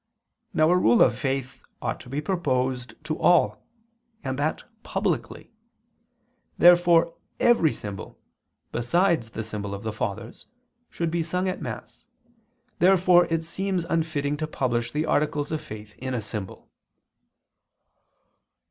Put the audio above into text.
Now a rule of faith ought to be proposed to all, and that publicly. Therefore every symbol, besides the symbol of the Fathers, should be sung at Mass. Therefore it seems unfitting to publish the articles of faith in a symbol.